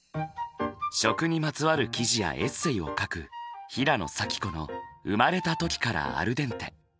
食にまつわる記事やエッセイを書く平野紗季子の「生まれた時からアルデンテ」。